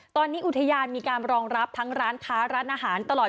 ตอนนี้อุทยานมีการรองรับทั้งร้านค้าร้านอาหารตลอด